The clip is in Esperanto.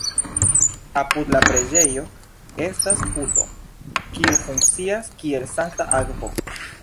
Apud la preĝejo estas puto, kiu funkcias kiel sankta akvo.